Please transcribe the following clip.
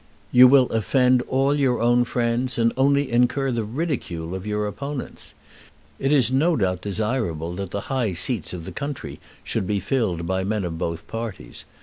You will offend all your own friends, and only incur the ridicule of your opponents. It is no doubt desirable that the high seats of the country should be filled by men of both parties.